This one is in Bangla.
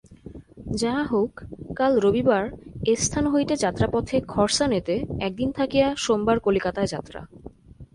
যাহা হউক কাল রবিবার এ-স্থান হইতে যাত্রাপথে খর্সানেতে একদিন থাকিয়া সোমবার কলিকাতায় যাত্রা।